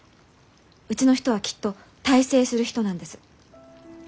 うちの人はきっと大成する人なんです。